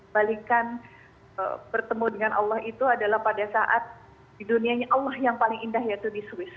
balikan bertemu dengan allah itu adalah pada saat di dunianya allah yang paling indah yaitu di swiss